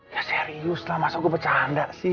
ya serius lah masa gue bercanda sih